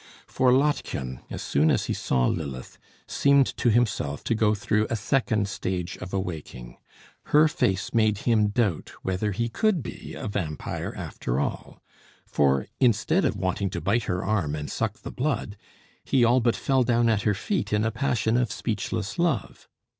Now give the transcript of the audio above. For Lottchen, as soon as he saw Lilith, seemed to himself to go through a second stage of awaking. Her face made him doubt whether he could be a vampire after all; for instead of wanting to bite her arm and suck the blood, he all but fell down at her feet in a passion of speechless love.